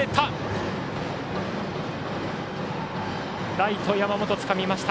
ライト、山本つかみました。